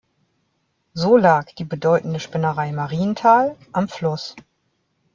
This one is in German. So lag die bedeutende Spinnerei Marienthal am Fluss.